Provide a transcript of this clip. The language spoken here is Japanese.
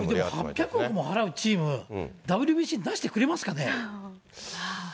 でも８００億も払うチーム、ＷＢＣ出してくれますかね。